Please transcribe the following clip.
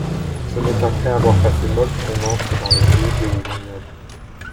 Ce n'est qu'après avoir passé Molck qu'on entre dans les pays de vignobles.